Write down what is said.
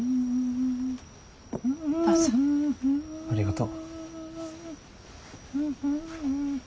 ありがとう。